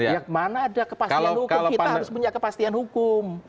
yang mana ada kepastian hukum kita harus punya kepastian hukum